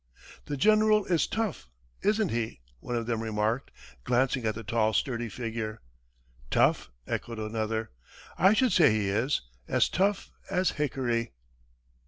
"The general is tough, isn't he?" one of them remarked, glancing at the tall, sturdy figure. "Tough!" echoed another. "I should say he is as tough as hickory!"